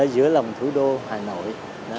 giữa lòng thủ đô hà nội